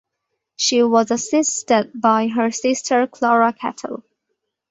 She was assisted by her sister Clara Cattell.